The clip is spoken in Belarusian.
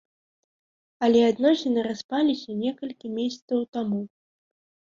Але адносіны распаліся некалькі месяцаў таму.